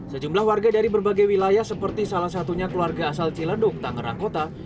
sejumlah warga dari berbagai wilayah seperti salah satunya keluarga asal ciledug tangerang kota